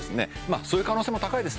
そういう可能性も高いです